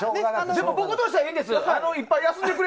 僕としてはいいんです。